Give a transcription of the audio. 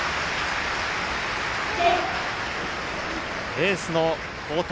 エースの好投。